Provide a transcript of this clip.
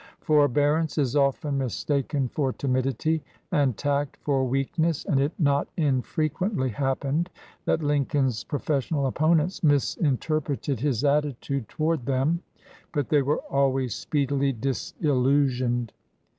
Forbearance is often mistaken for timidity, and tact for weakness, and it not infrequently happened that Lincoln's profes sional opponents misinterpreted his attitude to ward them; but they were always speedily dis illusioned.